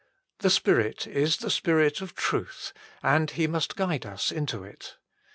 The Spirit is the Spirit of truth, and He must guide us into it.